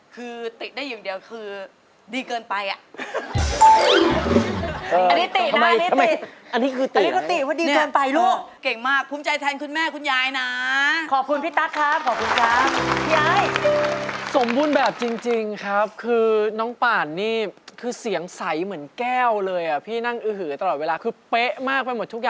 คือติได้อย่างเดียวคือดีเกินไปอ่ะ